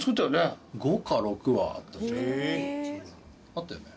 あったよね？